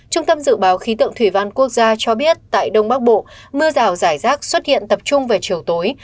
trung tâm dự báo khí tượng thủy văn quốc gia cho biết tại đông bắc bộ mưa rào rải rác xuất hiện tập trung về chiều tối